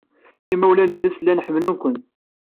Imawlan-nnes llan ḥemmlen-ken.